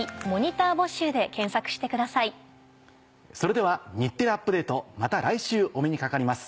それでは『日テレアップＤａｔｅ！』また来週お目にかかります。